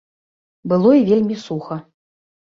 Было і вельмі суха.